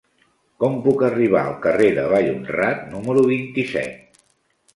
Com puc arribar al carrer de Vallhonrat número vint-i-set?